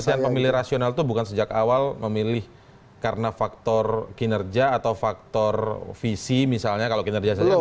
oh jadi pemilih rasional tuh bukan sejak awal memilih karena faktor kinerja atau faktor visi misalnya kalau kinerja saya nggak fair